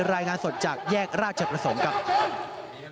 รายงานสดจากแยกราชประสงค์ครับ